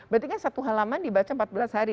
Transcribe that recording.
berarti kan satu halaman dibaca empat belas hari